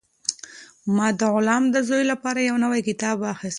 ما د غلام د زوی لپاره یو نوی کتاب واخیست.